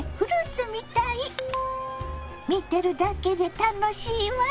見てるだけで楽しいわ。